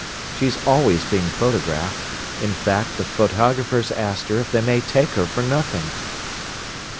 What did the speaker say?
She's always being photographed; in fact, the photographers ask her if they may take her for nothing."